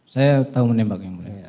saya tahu menembak yang mulia